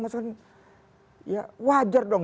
masa kan wajar dong